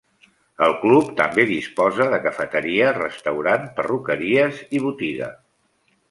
El Club també disposa de cafeteria, restaurant, perruqueries i botiga.